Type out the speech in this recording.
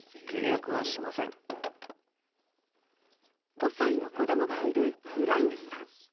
５歳の子供がいるブラウンさん。